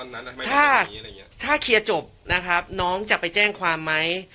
นะตอนนั้นถ้าเครียร์จบนะครับน้องจะไปแจ้งความไหม